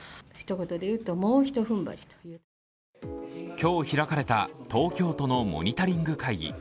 今日開かれた東京都のモニタリング会議。